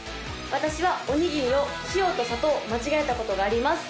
私はおにぎりを塩と砂糖間違えたことがあります